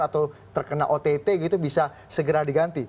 atau terkena ott gitu bisa segera diganti